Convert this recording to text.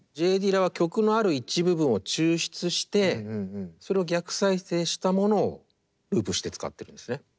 Ｊ・ディラは曲のある一部分を抽出してそれを逆再生したものをループして使ってるんですね。